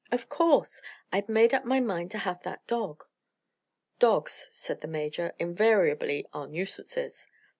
"Of course. I'd made up my mind to have that dog." "Dogs," said the Major, "invariably are nuisances."